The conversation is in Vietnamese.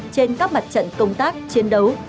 trên các mặt trận công tác chiến đấu